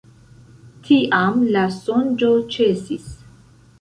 Tiam la sonĝo ĉesis.